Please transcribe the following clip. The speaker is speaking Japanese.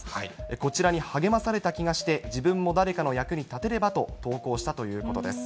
こちらに励まされた気がして、自分も誰かの役に立てればと、投稿したということです。